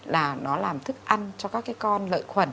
là nó làm thức ăn cho các cái con lợn khuẩn